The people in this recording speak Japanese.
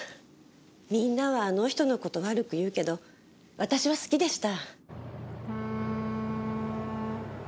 みんなはあの人の事悪く言うけど私は好きでした。